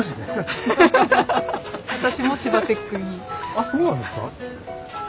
あっそうなんですか！